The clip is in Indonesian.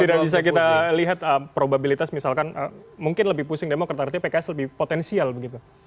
tidak bisa kita lihat probabilitas misalkan mungkin lebih pusing demokrat artinya pks lebih potensial begitu